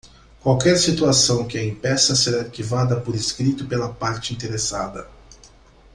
Qualquer situação que a impeça será arquivada por escrito pela parte interessada.